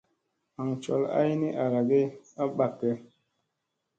Aŋ col ay ni arage a ɓakge.